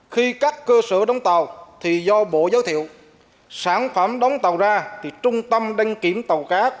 khi các cơ sở đóng tàu thì do bộ giới thiệu sản phẩm đóng tàu ra thì trung tâm đăng kiểm tàu cá